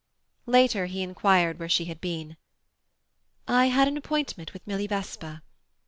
Later, he inquired where she had been. "I had an appointment with Milly Vesper."